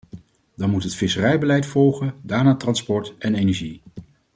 Dan moet het visserijbeleid volgen, daarna transport en energie.